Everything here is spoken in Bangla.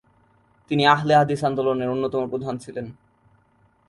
তিনি আহলে হাদিস আন্দোলনের অন্যতম প্রধান ছিলেন।